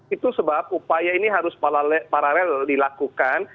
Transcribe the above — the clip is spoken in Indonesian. itu sebab upaya ini harus paralel dilakukan